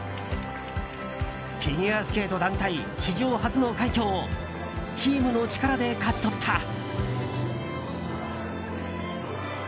フィギュアスケート団体史上初の快挙をチームの力で勝ち取った。